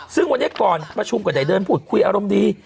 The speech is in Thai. ซึ่งวันนี้ก่อนประชุมก็ได้เดินพูดคุยอารมณ์ดี